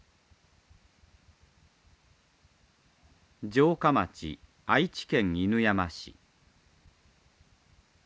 城下町愛知県犬山市。